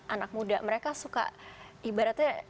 anak muda mereka suka ibaratnya